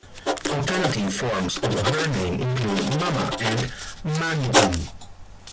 Alternative forms of her name include Mama and Mammitum.